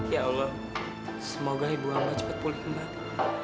ya allah semoga ibu hamba cepat pulih kembali